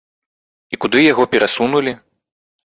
І куды яго перасунулі?